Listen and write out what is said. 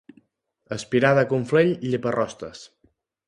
A Espirà de Conflent, llepa-rostes.